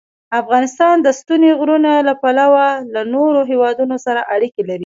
افغانستان د ستوني غرونه له پلوه له نورو هېوادونو سره اړیکې لري.